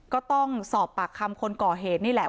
ก็ต้องสอบปากคำคนก่อเหตุนี่แหละ